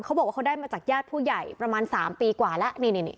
เขาบอกว่าเขาได้มาจากญาติผู้ใหญ่ประมาณสามปีกว่าละนี่นี่นี่